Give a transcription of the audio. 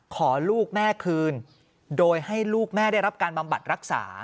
ขอลูกแม่คืนโดยให้ลูกแม่ได้รับการบำบัดรักษา